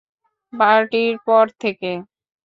পার্টির পর থেকে।